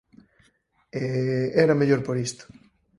E... era mellor por isto.